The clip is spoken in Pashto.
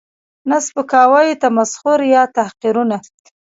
، نه سپکاوی، تمسخر یا تحقیرونه